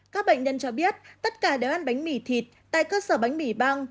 các bệnh nhân cho biết tất cả đều ăn bánh mì thịt tại cơ sở bánh mì băng